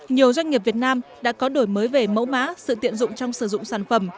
nhiều doanh nghiệp việt nam đã có đổi mới về mẫu má sự tiện dụng trong sử dụng sản phẩm